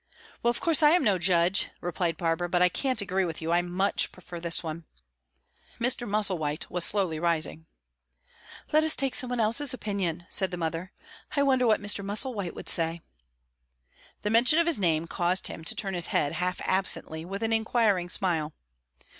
"Well, of course I am no judge," replied Barbara, "but I can't agree with you. I much prefer this one." Mr. Musselwhite was slowly rising. "Let us take some one else's opinion," said the mother. "I wonder what Mr. Musselwhite would say?" The mention of his name caused him to turn his head, half absently, with an inquiring smile.